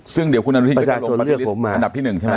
ซึ่งเดี๋ยวคุณอนุทินก็จะลงบันทึกอันดับที่๑ใช่ไหม